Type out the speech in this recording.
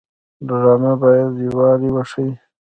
ډرامه باید یووالی وښيي